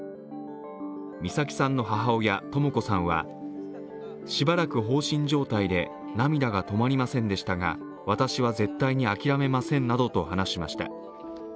美咲さんの母親、とも子さんは、しばらく放心状態で涙が止まりませんでしたが私は絶対に諦めませんなどと話しました。